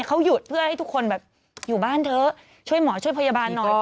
เขาหยุดเพื่อให้ทุกคนแบบอยู่บ้านเถอะช่วยหมอช่วยพยาบาลหน่อย